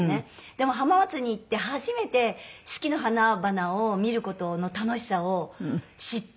でも浜松に行って初めて四季の花々を見る事の楽しさを知って。